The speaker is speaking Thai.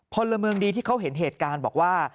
พลเมืองดีที่เขาเห็นเหตุการณ์บอกว่า